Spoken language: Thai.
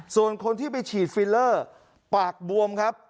ส่วนคนที่ไปฉีดฟิลเลอร์ปากบวมครับ